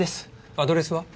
アドレスは？